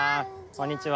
こんにちは。